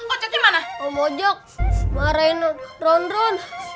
om mojak marahin ronron